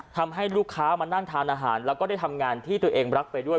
ทำให้ลูกค้ามานั่งทานอาหารแล้วก็ได้ทำงานที่ตัวเองรักไปด้วย